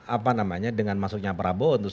apa namanya dengan masuknya prabowo untuk